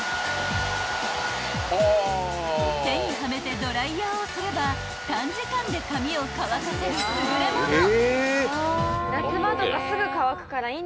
［手にはめてドライヤーをすれば短時間で髪を乾かせる優れもの］